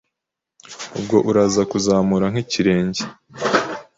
Ubwo uraza kuzamura nk'ikirenge